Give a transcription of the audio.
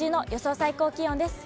最高気温です。